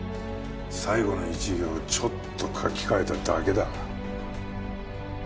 最後の一行をちょっと書き換えただけだ。